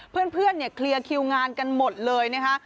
เพื่อนเนี่ยเคลียร์คิวงานกันหมดเลยนะคะ